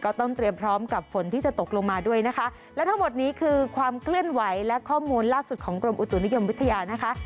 ต้องเตรียมพร้อมกับฝนที่จะตกลงมาด้วยนะคะและทั้งหมดนี้คือความเคลื่อนไหวและข้อมูลล่าสุดของกรมอุตุนิยมวิทยานะคะ